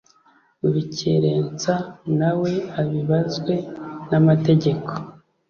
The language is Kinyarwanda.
ubikerensa nawe abibazwe n'amategeko